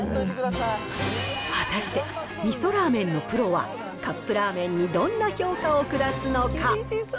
果たして、味噌ラーメンのプロは、カップラーメンにどんな評価を下すのか。